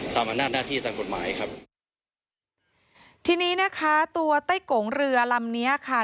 ตามอำนาจหน้าที่ตามกฎหมายครับทีนี้นะคะตัวไต้กงเรือลำเนี้ยค่ะ